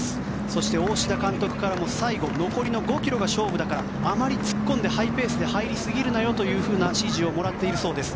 そして、大志田監督からも最後残りの５ｋｍが勝負だからあまり突っ込んでハイペースで入りすぎるなよと指示をもらっているそうです。